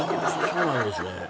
そうなんですね。